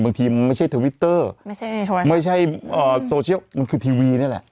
บางทีมันไม่ใช่ทวิตเตอร์ไม่ใช่โซเชียลมันคือทีวีนี่แหละ